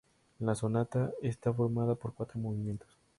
La sonata está formada por cuatro movimientos.